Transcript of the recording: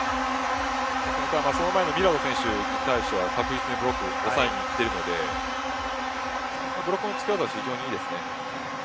その前のミラド選手に対しては確実にブロックを抑えにいっているのでブロックの使い方は非常にいいですね。